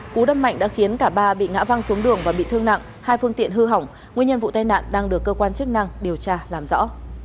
cú đâm mạnh đã khiến cả ba bị ngã văng xuống đường và bị thương nặng hai phương tiện hư hỏng nguyên nhân vụ tai nạn đang được cơ quan chức năng điều tra làm rõ